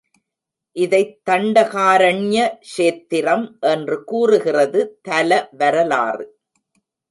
இதைத் தண்டகாரண்ய க்ஷேத்திரம் என்று கூறுகிறது தல வரலாறு.